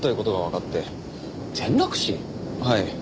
はい。